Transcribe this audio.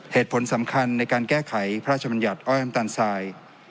เหตุผลสำคัญในการแก้ไขพระราชมัญญัติอ้อยน้ำตาลทราย